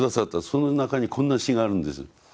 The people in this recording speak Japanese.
その中にこんな詩があるんです。